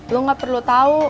lo gak perlu tahu